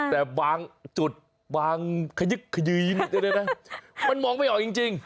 แต่บางจุดบางขยึกขยืนมันมองไม่ออกจริง